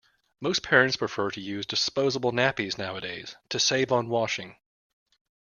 Most parents prefer to use disposable nappies nowadays, to save on washing